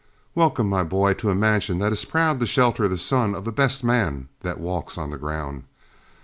Welcome, my boy, to a mansion that is proud to shelter the son of the best man that walks on the ground.